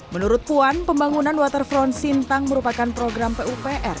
menurut puan pembangunan waterfront sintang merupakan program pupr